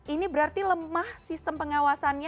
ini berarti lemah sistem pengawasannya